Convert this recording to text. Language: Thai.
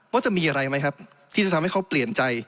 ว่าจะมีอะไรไหมครับที่จะทำให้เขาเปลี่ยนใจ